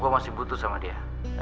gue masih butuh sama dia